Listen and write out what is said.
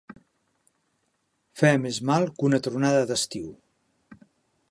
Fer més mal que una tronada d'estiu.